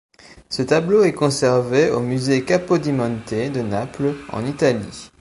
Ce tableau est conservé au Musée Capodimonte de Naples, en Italie.